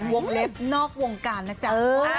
วงเล็บนอกวงการนะจ๊ะ